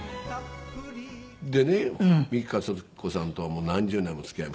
でね美樹克彦さんとはもう何十年もの付き合い。